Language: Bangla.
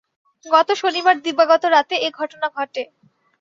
গত শনিবার দিবাগত রাতে এ ঘটনা ঘটে।